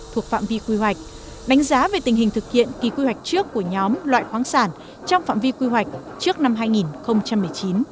thuộc phạm vi quy hoạch đánh giá về tình hình thực hiện kỳ quy hoạch trước của nhóm loại khoáng sản trong phạm vi quy hoạch trước năm hai nghìn một mươi chín